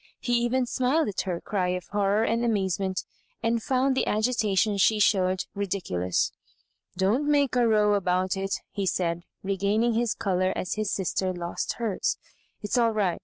He even smiled at her cry of horror and amazement, and found the agi tation she showed ridiculous. "Don't make a row about it," he said, regaining his colour as his sister lost hers, *' It's all right.